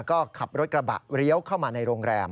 ก็ขับรถกระบะเลี้ยวเข้ามาในโรงแรม